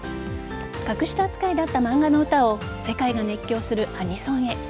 格下扱いだったマンガの歌を世界が熱狂するアニソンへ。